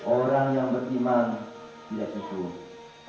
orang yang beriman tidak sesuai